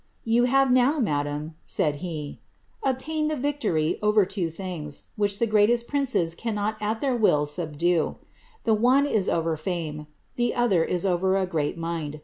^Tou have now, madam," said he, *^ obtained the victory, over two things, which the greatest princes cannot at their wills subdue ; the one is over fiune— the other is over a great mind.